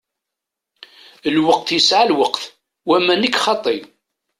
Lweqt yesεa lweqt wamma nekk xaṭi.